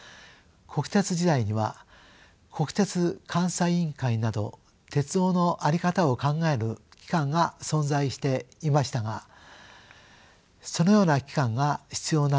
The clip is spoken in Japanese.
国鉄時代には国鉄監査委員会など鉄道の在り方を考える機関が存在していましたがそのような機関が必要なのかもしれません。